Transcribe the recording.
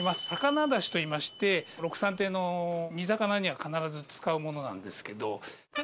魚だしといいましてろくさん亭の煮魚には必ず使うものなんですけど。